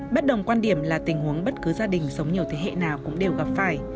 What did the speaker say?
bất đồng quan điểm là tình huống bất cứ gia đình sống nhiều thế hệ nào cũng đều gặp phải